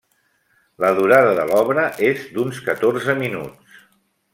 La durada de l'obra és d'uns catorze minuts.